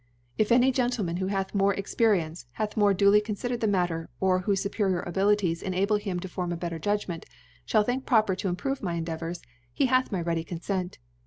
If any Gentleman, who hath had more Experience, hath more duly confidcred the Matter, or whofe fupcrior Abilities enable him to form a better Judg ment, Ihall think proper to improve my Endeavours, he hath my ready Confent.